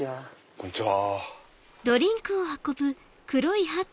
こんにちは。